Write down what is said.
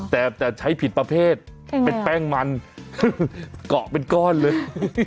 แต่จะใช้ผิดประเภทเป็นแป้งมันเกาะเป็นก้อนเลย